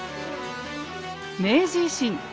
明治維新